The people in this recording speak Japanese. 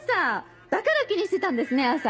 だから気にしてたんですね朝。